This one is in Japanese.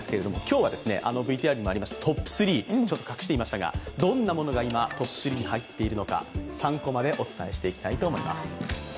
今日はトップ３、隠していましたがどんなものが今トップ３に入っているのか３コマでお伝えしていきたいと思います。